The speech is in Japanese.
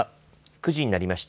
９時になりました。